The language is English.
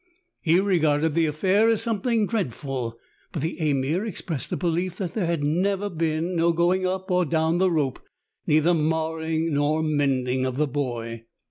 He regarded the affair as something dreadful, but the Ameer expressed the belief that there had been no going up or down the rope, neither marring nor mending of the boy.